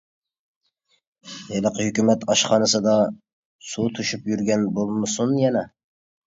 ھېلىقى ھۆكۈمەت ئاشخانىسىدا سۇ توشۇپ يۈرگەن بولمىسۇن يەنە.